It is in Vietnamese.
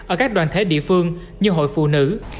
ở các đoàn thể địa phương như hội phụ nữ